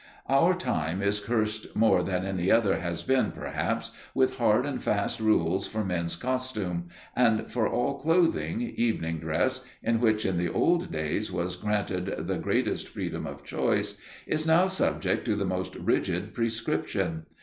Our time is cursed more than any other has been, perhaps, with hard and fast rules for men's costume; and of all clothing, evening dress, in which, in the old days, was granted the greatest freedom of choice, is now subject to the most rigid prescription.